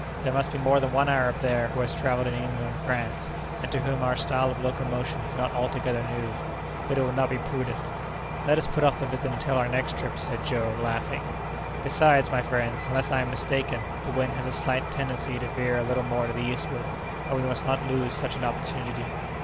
There must be more than one Arab there who has travelled in England and France, and to whom our style of locomotion is not altogether new. But it would not be prudent." "Let us put off the visit until our next trip," said Joe, laughing. "Besides, my friends, unless I am mistaken, the wind has a slight tendency to veer a little more to the eastward, and we must not lose such an opportunity."